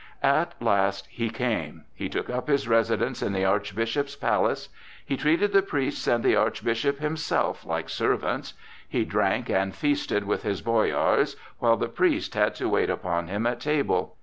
At last he came. He took up his residence in the Archbishop's palace. He treated the priests and the Archbishop himself like servants; he drank and feasted with his boyars, while the priests had to wait upon him at table.